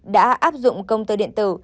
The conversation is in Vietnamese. đã áp dụng công tơ điện tử